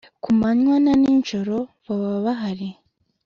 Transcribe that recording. ku manywa na ni njoro baba bahari